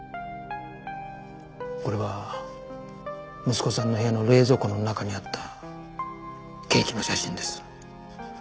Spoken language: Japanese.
これは息子さんの部屋の冷蔵庫の中にあったケーキの写真です。